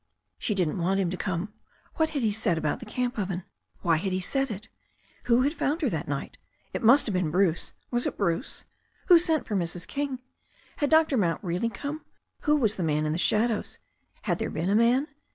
She didn't want him to come. What had he said about the camp oven? Why had he said it? Who had found her that night? It must have been Bruce — was it Bruce? Who sent for Mrs. King? Had Dr. Mount really come? Who was the man in the shadows — had there been a man?